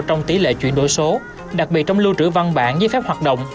trong tỷ lệ chuyển đổi số đặc biệt trong lưu trữ văn bản giấy phép hoạt động